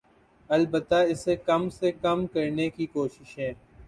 البتہ اسے کم سے کم کرنے کی کوششیں